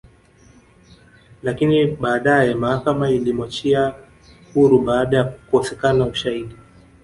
Lakini baadea mahakama ilimwachia huru baada ya kukosekana ushahidi